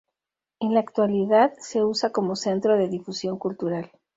En la actualidad se usa como centro de difusión cultural.